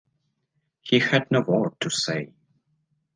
He had no word to say.